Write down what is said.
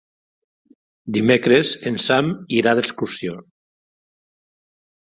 Dimecres en Sam irà d'excursió.